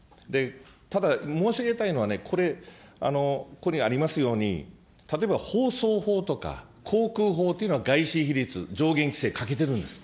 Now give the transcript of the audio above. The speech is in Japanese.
ただ、申し上げたいのはこれ、これにありますように、例えば放送法とか航空法というのは外資比率、上限比率かけてるんです。